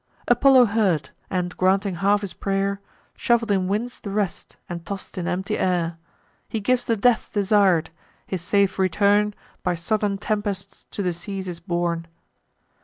Apollo heard, and, granting half his pray'r, Shuffled in winds the rest, and toss'd in empty air. He gives the death desir'd; his safe return By southern tempests to the seas is borne.